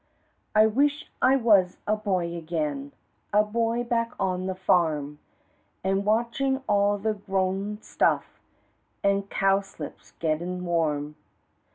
I wish I was a boy again A boy back on the farm A watchin' all the growin' stuff, An' cowslips gettin' warm.